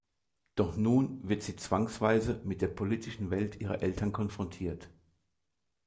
Doch nun wird sie zwangsweise mit der politischen Welt ihrer Eltern konfrontiert.